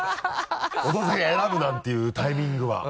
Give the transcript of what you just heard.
「オドぜひ」を選ぶなんていうタイミングは。